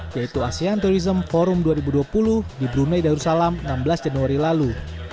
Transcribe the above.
yaitu asean tourism forum dua ribu dua puluh di brunei darussalam enam belas januari lalu